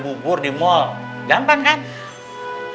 orang orang kemarin udah pada tau